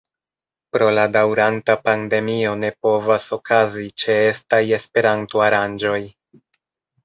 Pro la daŭranta pandemio ne povas okazi ĉeestaj Esperanto-aranĝoj.